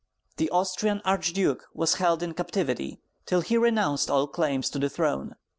The Austrian Archduke was held in captivity till he renounced all claim to the throne.